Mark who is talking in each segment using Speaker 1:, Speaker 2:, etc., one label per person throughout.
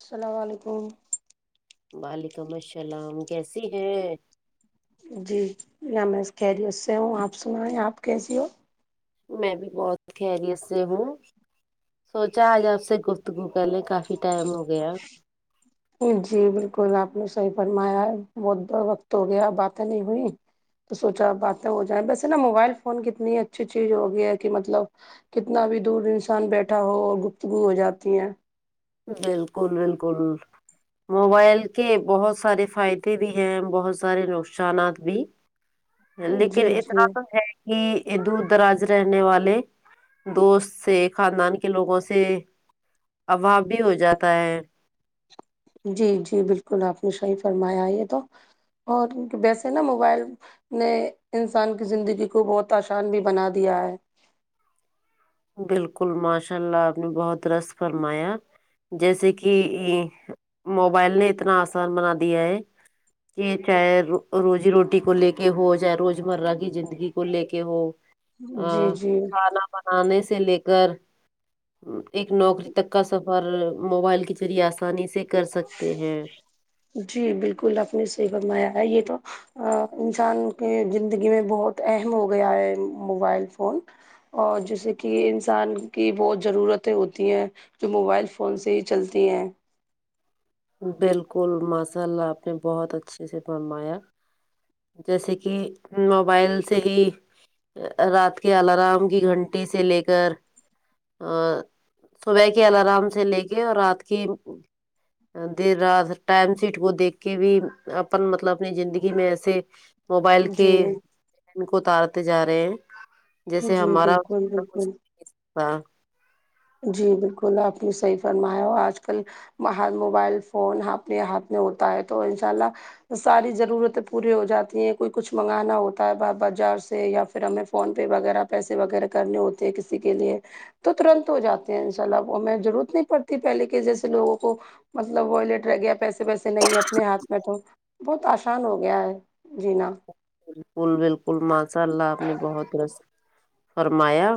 Speaker 1: السلام علیکم
Speaker 2: وعلیکم السلام کیس ہیں
Speaker 1: جی یا میں خیریت سے ہوں آپ سنائیں آپ کیسی ہو
Speaker 2: میں بھی بہت خیریت سے ہوں سوچا آج آپ سے گفتگو کر لیں کافی ٹائم ہو گیا
Speaker 1: جی بالکل آپ نے صحیح فرمایا بہت وقت ہو گیا باتیں نہیں ہوئی تو سوچا باتیں ہو جائیں ویسے نا موبائل فون کتنی اچھی چیز ہو گیا ہے کی مطلب کتنا بھی دور انسان بیٹھا ہو اور گفتگو ہو جاتی ہیں
Speaker 2: بالکل بالکل موبائل کے بہت سارے فائدے بھی ہیں بہت سارے نقصانات بھی لیکن
Speaker 1: جی
Speaker 2: اتنا
Speaker 1: جی
Speaker 2: تو ہے کی دور دراز رہنے والے دوست سے خاندان کے لوگوں سے ابھاؤ بھی ہو جاتا ہے
Speaker 1: جی جی بالکل آپ نے شاہی فرمایا یے تو اور ویسے نا موبائل نے انسان کی زندگی کو بہت آسان بھی بنا دیا ہے
Speaker 2: بالکل ماشاء اللہ آپ نے بہت درست فرمایا جیسے کی موبائل نے اتنا آسان بنا دیا ہے یے چاہے روزی روٹی کو لے کے ہو چاہے روز مرہ کی زندگی کو لے کے ہو آ
Speaker 1: جی جی
Speaker 2: کھانا بنانے سے لے کر ایک نوکری تک کا سفر موبائل کے ذریعے آسانی سے کر سکتے ہیں
Speaker 1: جی بالکل آپ نے صحیح فرمایا ہے یے تو آ انسان کے زندگی میں بہت اہم ہو گیا ہے موبائل فون اور جیسے کی انسان کی بہت ضرورتیں ہوتی ہیں جو موبائل فون سے ہی چلتی ہیں
Speaker 2: بالکل ماشاء اللہ آپ نے بہت اچھے سے فرمایا جیسے کی موبائل سے ہی رات کے الارم کی گھنٹی سے لے کر آ صبح کے الارام سے لے کے اور رات کے دیر رات ٹائم سیٹ کو دیکھ کے بھی اپن مطلب اپنی زندگی میں ایسے موبائل کے
Speaker 1: جی
Speaker 2: ان کو اتارتے جا رہے ہیں جیسے
Speaker 1: جی
Speaker 2: ہمارا
Speaker 1: بالکل بالکل
Speaker 2: [unintelligible] تا
Speaker 1: جی بالکل آپ نے صحیح فرمایا اور آج کل باہر موبائل فون اپنے ہاتھ میں ہوتا ہے تو انشاء اللہ ساری ضرورتیں پوری ہو جاتی ہیں کوئی کچھ منگانا ہوتا ہے بازار سے یا پھر ہمیں فون پے وغیرہ پیسے وغیرہ کرنے ہوتے ہیں کسی کے لیے تو ترنت ہو جاتے ہیں ان شاء اللہ وہ میں ضرورت نہیں پڑتی پہلے کے جیسے لوگوں کو مطلب وائلیٹ رہ گیا پیسے ویسے نہیں ہے اپنے ہاتھ میں تو بہت آسان ہو گیا ہے جینا
Speaker 2: بالکل بالکل ماشاء اللہ آپ نے بہت درست فرمایا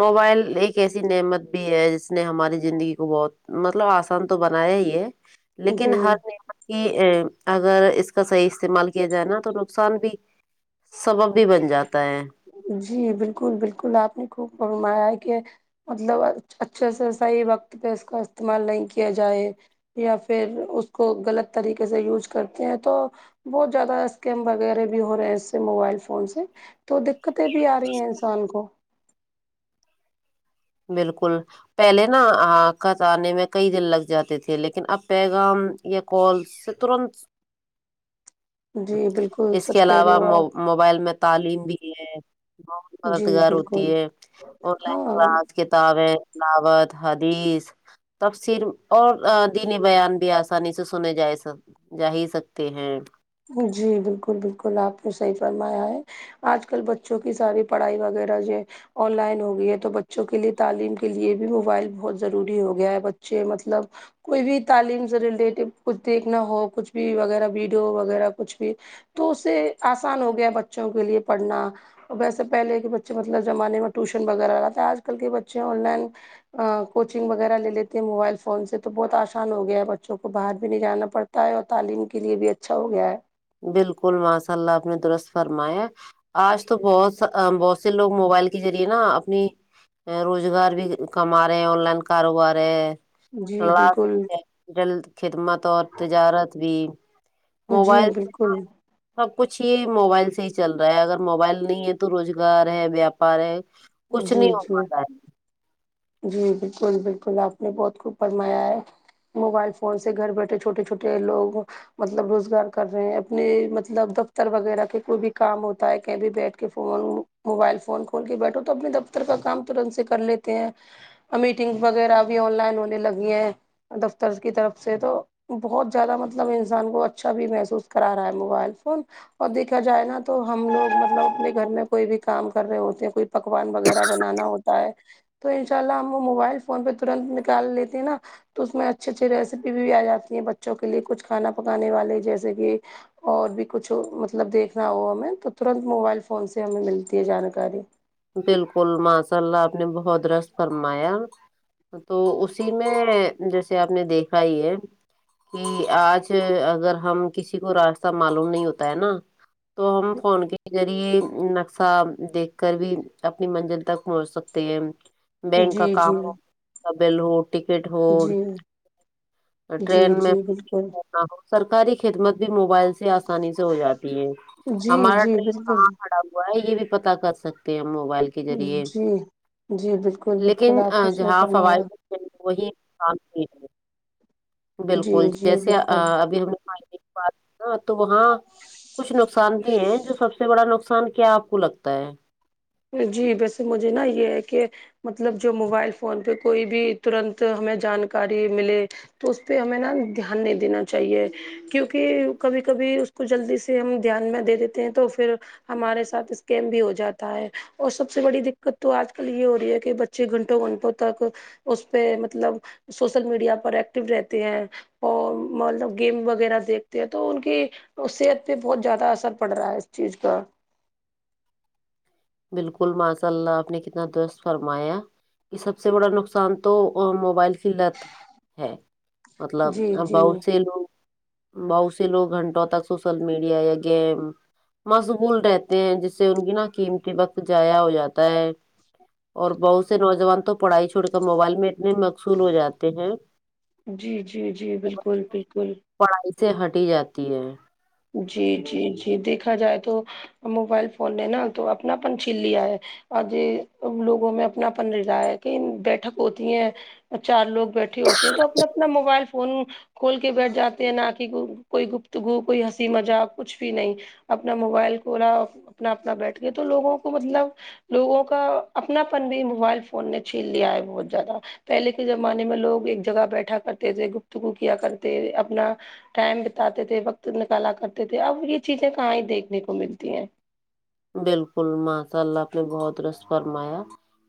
Speaker 2: موبائل ایک ایسی نعمت بھی ہے جس نے ہماری زندگی کو بہت مطلب آس سان تو بنایا ہی ہے لیکن
Speaker 1: جی
Speaker 2: ہر نعمت کی اگر اس کا صحیح استعمال کیے جائے نا تو نقصان بھی سبب بھی بن جاتا ہے
Speaker 1: جی بالکل بالکل آپ نے خوب فرمایا کہ مطلب اچھے سے صحیح وقت پے اس کا استعمال نہیں کیا جائے یا پھر اس کو غلط طریقے سے یوز کرتے ہیں تو بہت زیادہ اسکیم وغیرہ بھی ہو رہے ہیں اس سے موبائل فون سے تو دقتیں بھی آ رہی ہیں انسان کو
Speaker 2: بالکل پہلے نا آ خط آنے میں کئی دن لگ جاتے تھے لیکن اب پیغام یا کالس ترنت
Speaker 1: جی بالکل
Speaker 2: اس
Speaker 1: سچ
Speaker 2: کے
Speaker 1: کہہ رہے
Speaker 2: علاوہ
Speaker 1: ہو آپ
Speaker 2: موبائل میں تعلیم بھی ہے بہت
Speaker 1: جی
Speaker 2: مددگار
Speaker 1: بالکل
Speaker 2: ہوتی ہے اور آن لائن
Speaker 1: ہاں
Speaker 2: کلاس کتابیں دعوت حدیث تفسر اور دینی بیان بھی آسانی سے سنے جائے سر جا ہی سکتے ہیں
Speaker 1: جی بالکل بالکل آپ نے صحیح فرمایا ہے آج کل بچوں کی ساری پڑھائی وغیرہ جو آن لائن ہو گئی ہے تو بچوں کے لیے تعلیم کے لیے بھی موبائل بہت ضروری ہو گیا ہے بچے مطلب کوئی بھی تعلیم سے ریلیٹڈ کچھ دیکھنا ہو کچھ بھی وغیرہ ویڈیو وغیرہ کچھ بھی تو اسے آسان ہو گیا بچوں کے لیے پڑھنا اور ویسے پہلے کے بچے مطلب زمانے میں ٹیوشن وغیرہ لاتے ہے آج کل کے بچے آن لائن کوچنگ وغیرہ لے لیتے ہیں موبائل فون سے تو بہت آسان ہو گیا ہے بچوں کو باہر بھی نہیں جانا پڑ تا ہے اور تعلیم کے لیے بھی اچھا ہو گیا ہے
Speaker 2: بالکل ماشاء اللہ آپ نے درست فرمایا ہے آج تو بہت بہت سے لوگ موبائل کے ذریعے نا اپنی روزگار بھی کما رہے ہیں آن لائن کاروبار ہے
Speaker 1: جی بالکل
Speaker 2: [unintelligible] خدمت اور تجارت بھی
Speaker 1: جی
Speaker 2: موبائل
Speaker 1: بالکل
Speaker 2: سب کچھ یے موبائل سے ہی چل رہا ہے اگر موبائل نہیں ہے تو روزگار ہے ویاپار ہے کچھ
Speaker 1: جی
Speaker 2: نہیں ہو
Speaker 1: جی
Speaker 2: پا رہا ہے
Speaker 1: جی بالکل بالکل آپ نے بہت خوب فرمایا ہے موبائل فون سے گھر بیٹھے چھوٹے چھوٹے لوگ مطلب روزگار کر رہے ہیں اپنے مطلب دفتر وغیرہ کے کوئی بھی کام ہوتا ہے کہیں بھی بیٹھ کے فون موبائل فون کھول کے بیٹھو تو اپنے دفتر کا کام ترنت سے کر لیتے ہیں میٹنگ وغیرہ بھی آن لائن ہونے لگی ہیں دفتر کی طرف سے تو بہت زیادہ مطلب انسان کو اچھا بھی محسوس کرا رہا ہے موبائل فون اور دیکھا جائے نا تو ہم لوگ مطلب اپنے گھر میں کوئی بھی کام کر رہے ہوتے ہیں کوئی پکوان وغیرہ بنانا ہوتا ہے تو انشاء اللہ ہم وہ موبائل فون پے ترنت نکال لیتے ہیں نا تو اس میں اچھی اچھی ریسیپی بھی آ جاتی ہیں بچوں کے لیے کچھ کھانا پکانے والے جیسے کہ اور بھی کچھ مطلب دیکھنا ہو ہمیں تو ترنت موبائل فون سے ہمیں ملتی ہے جانکاری
Speaker 2: بالکل ماشاء اللہ آپ نے بہت درست فرمایا تو اسی میں جیسے آپ نے دیکھا ہی ہے کی آج اگر ہم کسی کو راستہ معلوم نہیں ہوتا ہے نا تو ہم فون کے ذریعے نقشہ دیکھ کر بھی اپنی منزل تک پہنچ سکتے ہیں بینک کا
Speaker 1: جی
Speaker 2: کام
Speaker 1: جی
Speaker 2: ہو [unintelligible] ہو ٹکٹ ہو
Speaker 1: جی جی
Speaker 2: ٹرین میں
Speaker 1: جی بالکل
Speaker 2: ہاں سرکاری خدمت بھی موبائل سے آسانی سے ہو جاتی ہے
Speaker 1: جی
Speaker 2: ہمارا
Speaker 1: جی
Speaker 2: ٹرین
Speaker 1: بالکل
Speaker 2: کہاں کھڑا ہوا ہے یے بھی پتہ کر سک تے ہے موبائل کے ذریعے
Speaker 1: جی جی بالکل بالکل
Speaker 2: لیکن
Speaker 1: آپ نے صحیح
Speaker 2: جہاں
Speaker 1: فرمایا
Speaker 2: فوائد وہی کام [unintelligible]
Speaker 1: جی
Speaker 2: بالکل
Speaker 1: جی
Speaker 2: جیسے
Speaker 1: بالکل
Speaker 2: ابھی ہم نے [unintelligible] تو وہاں کچھ جانتی ہیں جو سب سے بڑا نقصان کیا آپ کو لگتا ہے
Speaker 1: جی ویسے مجھے نا یہ ہے کہ مطلب جو موبائل فون پہ کوئی بھی ترنت ہمیں جانکاری ملے تو اس پہ ہمیں نا دھیان نہیں دینا چاہیے کیونکہ کبھی کبھی اس کو جلدی سے ہم دھیان میں دے دیتے ہیں تو پھر ہمارے ساتھ اسکم بھی ہو جاتا ہے اور سب سے بڑی دقت تو آج کل یہ ہو رہی ہے کہ بچے گھنٹوں گھنٹوں تک اس پہ مطلب سوشل میڈیا پر ایکٹیو رہتے ہیں اور مطلب گیم وغیرہ دیکھتے ہیں تو ان کے تو صحت پہ بہت زیادہ اثر پڑ رہا ہے اس چیز کا
Speaker 2: بالکل ماشاء اللہ آپ نے کتنا درست فرمایا کہ سب سے بڑا نقصان تو موبائل کی لت ہے مطلب
Speaker 1: جی جی
Speaker 2: بہت سے لوگ بہت سے لوگ گھنٹوں تک سوشل میڈیا یا گیم مشغول رہتے ہیں جس سے ان کی نا قیمتی وقت ضایع ہو جاتا ہے اور بہت سے نوجوان تو پڑھائی چھوڑ کر موبائل میں اتنے مشغول ہو جاتے ہیں
Speaker 1: جی جی جی بالکل بالکل
Speaker 2: پڑھائی سے ہٹ ہی جاتی ہے
Speaker 1: جی جی جی دیکھا جائے تو موبائل فون نے نا تو اپنا پن چھین لیا ہے آج ان لوگوں میں اپنا پن ردا یا کہ بیٹھک ہوتی ہے چار لوگ بیٹھے ہوتے ہیں تو اپنا اپنا موبائل فون کھول کے بیٹھ جاتے ہیں نہ کہ کوئی گفتگو کوئی ہنسی مذاق کچھ بھی نہیں اپنا موبائل کھولا اپنا اپنا بیٹھ کے تو لوگوں کو مطلب لوگوں کا اپنا پن بھی موبائل فون نے چھین لیا ہے بہت زیادہ پہلے کے زمانے میں لوگ ایک جگہ بیٹھا کرتے تھے گفتگو کیا کرتے اپنا ٹائم بتاتے تھے وقت نکالا کرتے تھے اب یہ چیزیں کہاں ہی دیکھنے کو ملتی ہیں
Speaker 2: بالکل ماشا اللہ آپ نے بہت درست فرمایا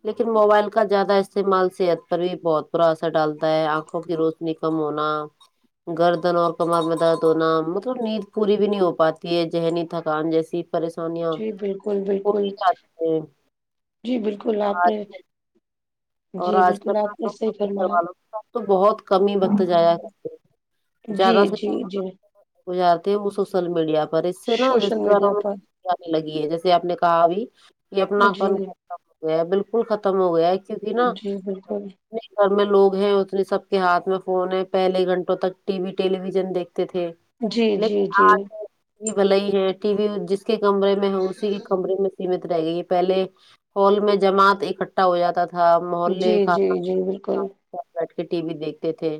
Speaker 2: لیکن موبائل کا زیادہ استعمال صحت پر بھی بہت برا اثر ڈالتا ہے آنکھوں کی روش نی کم ہونا گردن اور کمر میں درد ہونا مطلب نیند پوری بھی نہیں ہو پاتی ہے ذہنی تھکان جیسی پریشانیاں
Speaker 1: جی بالکل
Speaker 2: ہو
Speaker 1: بالکل
Speaker 2: ہی جاتی ہیں
Speaker 1: جی بالکل آپ نے
Speaker 2: آج اور
Speaker 1: جی
Speaker 2: آج کل
Speaker 1: بالکل
Speaker 2: نہ
Speaker 1: آپ نے
Speaker 2: لوگ
Speaker 1: صحیح
Speaker 2: اپنے گھر والوں
Speaker 1: فرمایا
Speaker 2: کے ساتھ تو بہت کم ہی وقت جایا کرتے
Speaker 1: جی
Speaker 2: زیادہ سے
Speaker 1: جی
Speaker 2: زیادہ
Speaker 1: جی
Speaker 2: وقت گزارتے ہیں شوشل میڈیا پر اس سے نا
Speaker 1: سوشل
Speaker 2: رشتے داروں
Speaker 1: میڈیا پر
Speaker 2: میں آنے لگی ہے جیسے آپ نے کہا ابھی کہ اپنا
Speaker 1: جی
Speaker 2: پن ختم ہو گیا ہے بالکل ختم ہو گیا کیونکی نا
Speaker 1: جی بالکل
Speaker 2: جتنے گھر میں لوگ ہیں اتنے سب کے ہاتھ میں فون ہیں پہلے گھنٹوں تک ٹی وی ٹیلی ویژن دیکھتے تھے
Speaker 1: جی جی
Speaker 2: لیکن
Speaker 1: جی
Speaker 2: آج ک و بھل ہی ہے ٹی وی جس کے کمرے میں ہو اسی کے کمرے میں سیمت رہ گئی ہے پہلے ہال میں جماعت اکٹھا ہو جاتا تھا تھا محلے
Speaker 1: جی جی
Speaker 2: کھانا
Speaker 1: جی بالکل
Speaker 2: بیٹھ کے ٹی وی دیکھتے تھے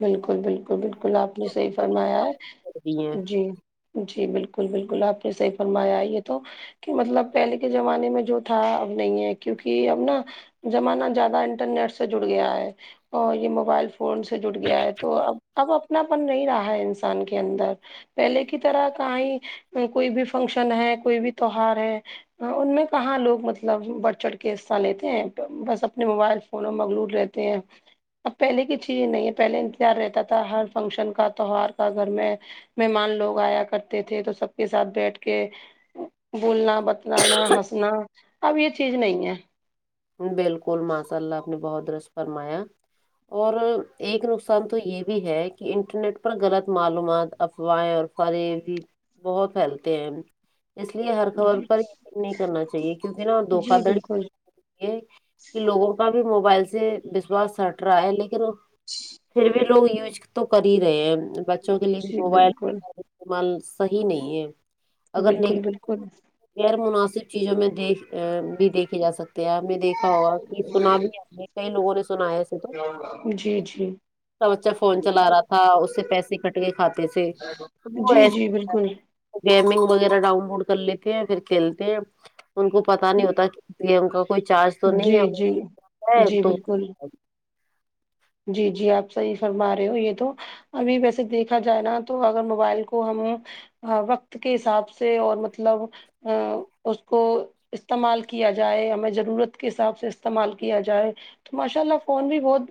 Speaker 1: بالکل بالکل بالکل آپ نے صحیح فرمایا ہے
Speaker 2: دی ہیں
Speaker 1: جی جی بالکل بالکل آپ نے صحیح فرمایا یہ تو کہ مطلب پہلے کے زمانے میں جو تھا اب نہیں ہے کیونکہ اب نا زمانہ زیادہ انٹرنیٹ سے جڑ گیا ہے اور یہ موبائل فونس سے جٹ گیا ہے تو اب اب اپنا پن نہیں رہا ہے انسان کے اندر پہلے کی طرح کاں ہی کوئی بھی فنکشن ہے کوئی بھی تہوار ہے ہان ان میں کہاں لوگ مطلب بڑھ چڑھ کے حصہ لیتے ہیں بس اپنے موبائل فون مغلور رہتے ہیں اب پہلے کے چ یزئیں نہیں پہلے انتظار رہتا تھا ہر فنکشن کا تہوار کا گھر میں مہمان لوگ آیا کرتے تھے تو سب کے ساتھ بیٹھ کے بولنا بتلانا ہسنا اب یہ چیز نہیں ہے
Speaker 2: بالکل ماشاء اللہ آپ نے بہت درست فرمایا اور ایک نقصان تو یہ بھی ہے کہ انٹرنیٹ پر غلط معلومات افوائیں اور بارے بھی بہت پھیلتے ہیں اس لیے ہر خبر
Speaker 1: جی
Speaker 2: پر یقین نہیں کرنا چاہیے کیونک نا دو
Speaker 1: جی بالکل
Speaker 2: یہ کہ لوگوں کا بھی موبائل سے وشواس ہٹ رہا ہے لیکن پھر بھی لوگ یوج تو کر ہی رہے ہیں بچوں کے لیے
Speaker 1: جی
Speaker 2: موبائل
Speaker 1: بالکل
Speaker 2: استعمال صحیح نہیں ہے اگر
Speaker 1: بالکل بالکل
Speaker 2: غیر مناسب چیزوں میں دیکھ بھی دیکھے جا سکتے ہیں آپ نے دیکھا ہوگا سنا بھی آ کئی لوگوں نے سنا ایسے تو
Speaker 1: جی جی
Speaker 2: اس کا بچہ فون چلا رہا تھا اس سے پیسے کٹ کے کھاتے تھے
Speaker 1: جی جی بالکل
Speaker 2: گیمنگ وغیرہ ڈاؤن لوڈ کر لیتے ہیں پھر کھیلتے ہیں ان کو پتا نہیں ہوتا یہ ان کا کوئی چارج تو نہیں ہے
Speaker 1: جی جی
Speaker 2: اور
Speaker 1: جی
Speaker 2: تو
Speaker 1: بالکل جی جی آپ صحیح فرما رہے ہو یہ تو ابھی ویسے دیکھا جائے نا تو اگر موبائل کو ہم ہاں وقت کے حساب سے اور مطلب اں اس کو استعمال کیا جائے ہمیں ضرورت کے حساب سے استعمال کیا جائے تو ماشاء اللہ فون بھی بہت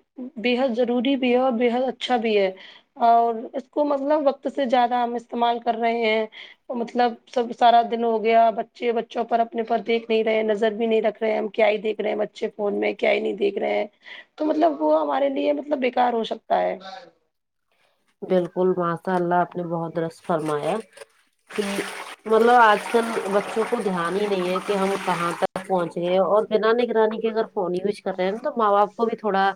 Speaker 1: بے حد ضروری بھی ہے اور بےحد اچھا بھی ہے اور اس کو مطلب وقت سے زیادہ ہم استعمال کر رہے ہیں مطلب سب سارا دن ہو گیا بچے بچوں پر اپنے پر دیکھ نہیں رہے ہیں نظر بھی نہیں رکھ رہے ہیں کیا ہی دیکھ رہے ہیں بچے فون میں کیا ہی نہیں دیکھ رہے ہیں تو مطلب وہ ہمارے لیے مطلب بےکار ہو سکتا ہے
Speaker 2: بالکل ماشا اللہ آپ نے بہت د رس فرمایا کہ مطلب آج کل بچوں کو دھیان ہی نہیں ہے کہ ہم کہاں تک پہنچے اور بنا نگرانی کے اگر فون یوز کر رہے ہیں توب ماں باپ کو بھی تھوڑا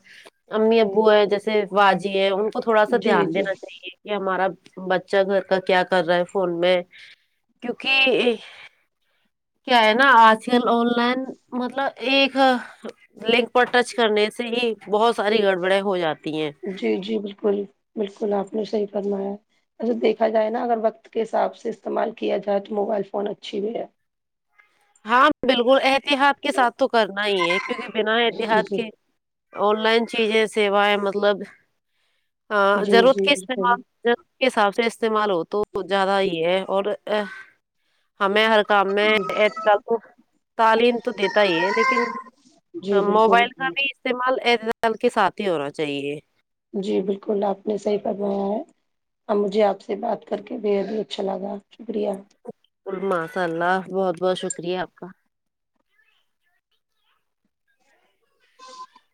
Speaker 2: امی ابو ہے جیسے باجی ہے ان کو تھوڑا تو
Speaker 1: جی
Speaker 2: دھیان
Speaker 1: جی
Speaker 2: دینا چاہیے کہ ہمارا بچہ گھر کا کیا کر رہا ہے فون میں کیونکی کیا ہے نا آج کل آن لائن مطلب ایک لنک پر ٹچ کرنے سے ہی بہت ساری گڑبڑیں ہو جاتی ہیں
Speaker 1: جی جی بالکل بالکل آپ نے صحیح فرمایا اچھا دیکھا جائے نا اگر وقت کے حساب سے استعمال کیا جائے تو موبائل فون اچھی بھی ہے
Speaker 2: ہاں بالکل احتیاط کے ساتھ تو کرنا ہی ہے کیونکہ بنا احتیاط کے
Speaker 1: جی
Speaker 2: آن لائن چیزیں سیوا ہے مطلب ہاں
Speaker 1: جی
Speaker 2: ضرورت
Speaker 1: جی
Speaker 2: کے
Speaker 1: بالکل
Speaker 2: استعمال وقت کے حساب سے استعمال ہو تو زیادہ ہی ہے اور ہ ہمیں ہر کام میں ا ؤ تعلیم تو دیتا ہی ہے لیکن
Speaker 1: جی بالکل
Speaker 2: موبائل کا بھی ستعمال اعتدال کے ساتھ ہی ہونا چاہیے
Speaker 1: جی بالکل آپ نے صحیح فرمایا ہے اب مجھے آپ سے بات کر کے بے حد ہی اچھا لگا شکریہ
Speaker 2: اور ماشاء اللہ بہت بہت شکریہ آپ کا
Speaker 1: [inaudible]